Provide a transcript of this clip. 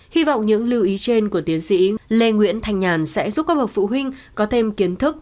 hy vọng những lưu ý trên của tiến sĩ lê nguyễn thành nhàn sẽ giúp các bậc phụ huynh có thêm kiến thức